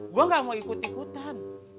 gue gak mau ikut ikutan